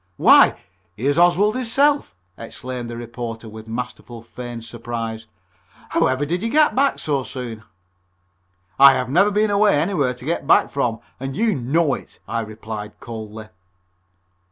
"Why, here's Oswald hisself," exclaimed the reporter with masterfully feigned surprise. "However did you get back so soon?" "I have never been away anywhere to get back from, and you know it," I replied coldly.